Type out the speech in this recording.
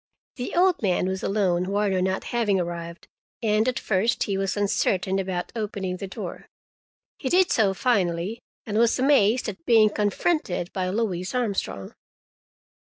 The old man was alone, Warner not having arrived, and at first he was uncertain about opening the door. He did so finally, and was amazed at being confronted by Louise Armstrong.